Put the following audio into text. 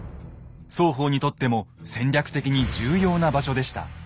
双方にとっても戦略的に重要な場所でした。